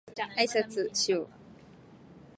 あいさつをしよう